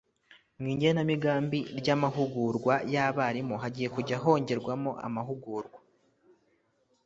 Mu igenamigambi ry amahugurwa y abarimu hagiye kujya hongerwamo amahugurwa